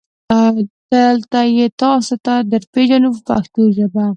دلته یې تاسو ته درپېژنو په پښتو ژبه.